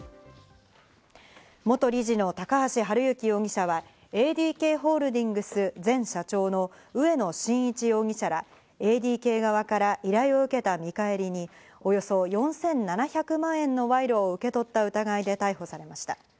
元理事の高橋治之容疑者はＡＤＫホールディングス前社長の植野伸一容疑者らＡＤＫ側から依頼を受けた見返りに、およそ４７００万円の賄賂を受け取った疑いで逮捕されました。